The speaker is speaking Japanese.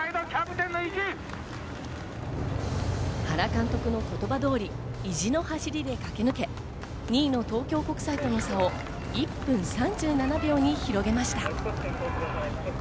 原監督の言葉通り、意地の走りで駆け抜け、２位の東京国際との差を１分３７秒に広げました。